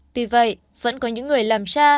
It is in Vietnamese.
tuy vậy vẫn có những người làm cha